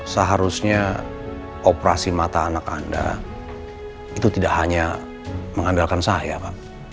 seharusnya operasi mata anak anda itu tidak hanya mengandalkan saya kan